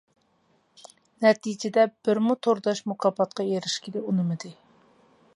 نەتىجىدە بىرمۇ تورداش مۇكاپاتقا ئېرىشكىلى ئۇنىمىدى.